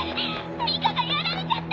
ミカがやられちゃった！